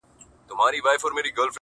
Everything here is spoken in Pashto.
هغه هم نسته جدا سوی يمه”